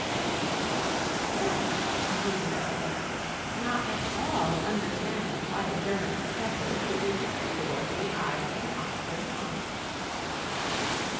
'Yes,' continued Ethelbert; not at all understanding why a German professor should be contemptible in the eyes of an Oxford don.